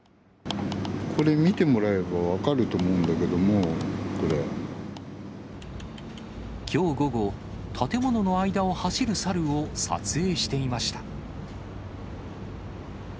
これ見てもらえれば分かるときょう午後、建物の間を走る猿を撮影していました。